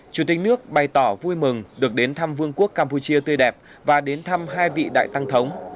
chủ tịch nước bày tỏ vui mừng được đến thăm vương quốc campuchia tươi đẹp và đến thăm hai vị đại tăng thống